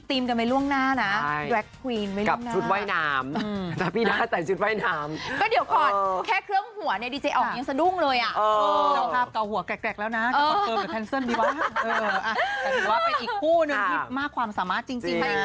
ดีแล้วที่ยังไม่เคยใส่ถ้านี้อยากแต่งดรากควีน